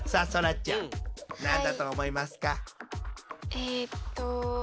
えっと。